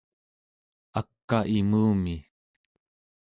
ak'a imumi